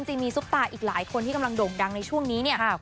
จริงมีซุปตาอีกหลายคนที่กำลังโด่งดังในช่วงนี้เนี่ย